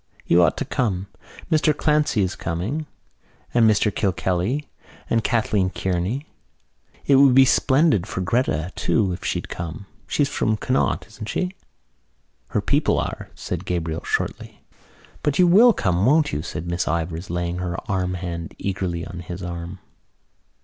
You ought to come. Mr Clancy is coming, and Mr Kilkelly and Kathleen Kearney. It would be splendid for Gretta too if she'd come. She's from Connacht, isn't she?" "Her people are," said Gabriel shortly. "But you will come, won't you?" said Miss Ivors, laying her warm hand eagerly on his arm.